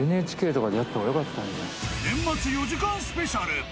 年末４時間スペシャル。